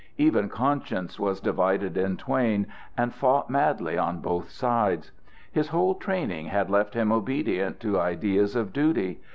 Even conscience was divided in twain and fought madly on both sides. His whole training had left him obedient to ideas of duty.